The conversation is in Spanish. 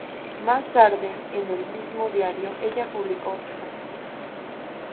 Más tarde, en el mismo diario, ella publicó otros artículos.